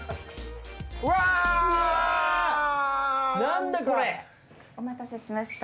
うわっ！お待たせしました。